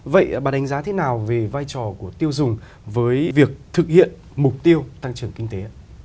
vậy bà đánh giá thế nào về vai trò của tiêu dùng với việc thực hiện mục tiêu tăng trưởng kinh tế ạ